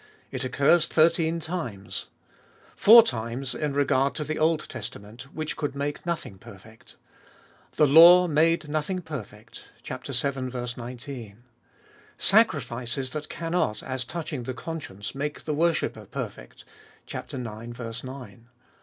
It occurs thirteen times. Four times in regard to the Old Testa ment, which could make nothing perfect. The law made nothing perfect (vii. 19). Sacrifices that cannot, as touching the conscience, make the worshipper perfect (ix. 9).